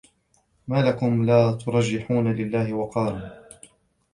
ما لَكُم لا تَرجونَ لِلَّهِ وَقارًا